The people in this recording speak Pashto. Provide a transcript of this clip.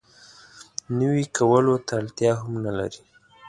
نوي کولو ته اړتیا هم نه لري.